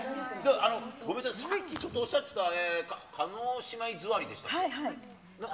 ごめんなさい、さっき、ちょっとおっしゃっていた、叶姉妹座りですか。